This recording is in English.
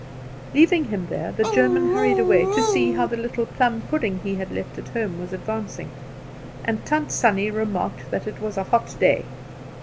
Leaving him there, the German hurried away to see how the little plum pudding he had left at home was advancing; and Tant Sannie remarked that it was a hot day.